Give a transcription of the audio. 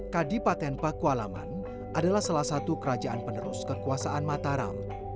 kadipaten pakualaman adalah salah satu kerajaan penerus kekuasaan mataram